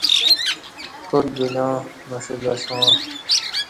کاٹ بلیاں مشہ کسواں